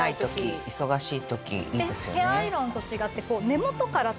ヘアアイロンと違って。